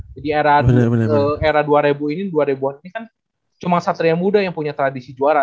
jadi era dua ribu ini dua ribu an ini kan cuma satria muda yang punya tradisi juara